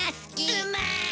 うまい！